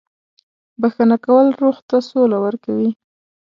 • بښنه کول روح ته سوله ورکوي.